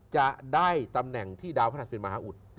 จะได้ตำแหน่งที่ดาวน์พนัสเป็นมหาอุทธิ์